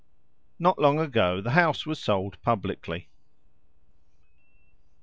Not long ago the house was sold publicly.